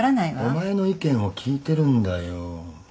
お前の意見を聞いてるんだよ。